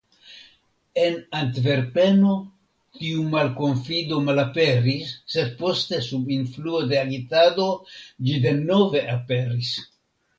En Antverpeno, tiu malkonfido malaperis, sed poste, sub influo de agitado, ĝi denove aperis.